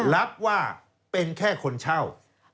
รับว่าเป็นแค่คนเช่า